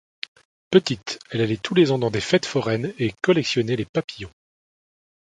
Petite, elle allait tous les ans dans des fêtes foraines et collectionnait les papillons.